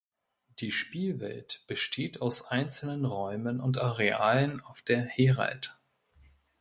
Die Spielwelt besteht aus einzelnen Räumen und Arealen auf der "Herald".